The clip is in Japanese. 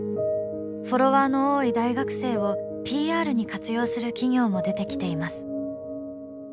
フォロワーの多い大学生をＰＲに活用する企業も出てきています。